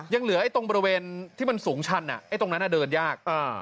ยังเหลือตรงบริเวณที่มันสูงชันตรงนั้นเดินยาก